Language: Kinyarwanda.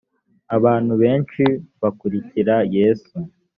abantu benshi bakurikira yesu